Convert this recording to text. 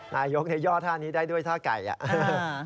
นายกย่อท่านี้ได้ด้วยท่าไก่อ่ะ